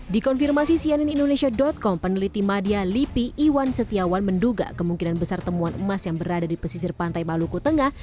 di konfirmasi cnnindonesia com peneliti media lipi iwan setiawan menduga kemungkinan besar temuan emas yang berada di pesisir pantai maluku tengah